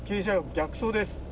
逆走です。